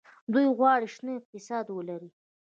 دوی غواړي شنه اقتصاد ولري.